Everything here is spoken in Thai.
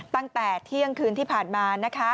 ตั้งแต่เที่ยงคืนที่ผ่านมานะคะ